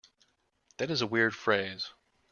That is a weird phrase.